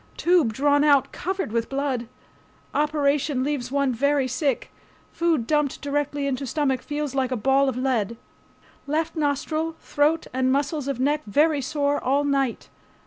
Tube drawn out covered with blood. Operation leaves one very sick. Food dumped directly into stomach feels like a ball of lead. Left nostril, throat and muscles of neck very sore all night.